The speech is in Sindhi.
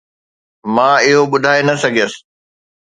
مان اهو ٻڌائي نه سگهيس